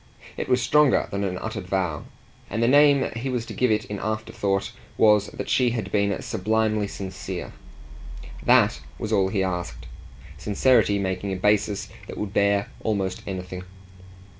It was stronger than an uttered vow, and the name he was to give it in afterthought was that she had been sublimely sincere. THAT was all he asked sincerity making a basis that would bear almost anything.